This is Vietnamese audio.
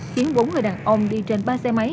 khiến bốn người đàn ông đi trên ba xe máy